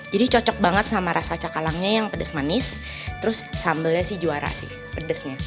jadi cocok banget sama rasa cakalangnya yang pedes manis terus sambelnya sih juara sih pedesnya